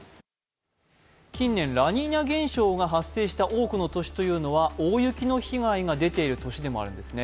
近年、ラニーニャ現象が発生した多くの年は、大雪の被害が出ている年でもあるんですね。